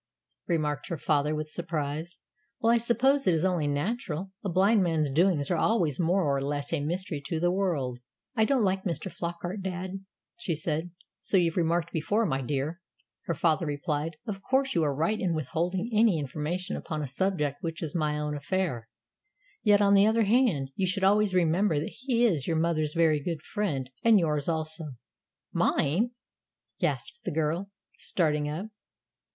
remarked her father with surprise. "Well, I suppose it is only natural. A blind man's doings are always more or less a mystery to the world." "I don't like Mr. Flockart, dad," she said. "So you've remarked before, my dear," her father replied. "Of course you are right in withholding any information upon a subject which is my own affair; yet, on the other hand, you should always remember that he is your mother's very good friend and yours also." "Mine!" gasped the girl, starting up.